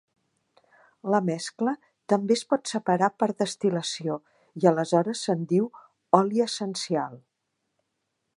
La mescla també es pot separar per destil·lació i aleshores se'n diu oli essencial.